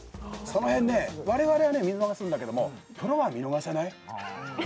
その辺ね、我々は見逃すんだけどプロは見逃さないよ？